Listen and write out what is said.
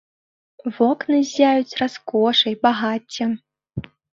Вокны ззяюць раскошай, багаццем.